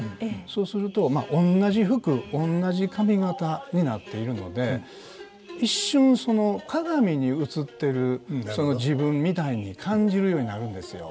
そうするとまあおんなじ服おんなじ髪型になっているので一瞬その鏡に映ってるその自分みたいに感じるようになるんですよ。